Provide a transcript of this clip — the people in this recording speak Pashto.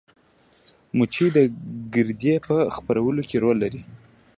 مچۍ د ګردې په خپرولو کې رول لري